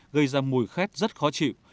gây ra mùi khét rất khó chịu